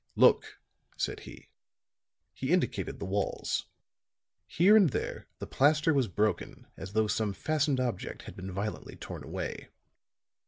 "Look," said he. He indicated the walls. Here and there the plaster was broken as though some fastened object had been violently torn away.